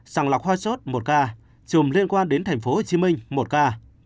sàng lọc hoa sốt một ca trường liên quan đến thành phố hồ chí minh một ca